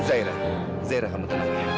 zahira zahira kamu tenang